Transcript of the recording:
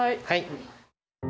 はい。